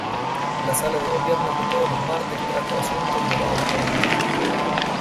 La sala de gobierno que todos los martes trata asuntos de la autonomía.